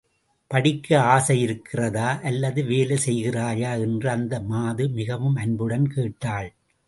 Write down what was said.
படிக்க ஆசையிருக்கிறதா அல்லது வேலை செய்கிறாயா என்று அந்த மாது மிகவும் அன்புடன் கேட்டாள்.